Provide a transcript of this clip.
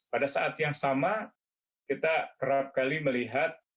pada saat yang sama kita kerap kali melihat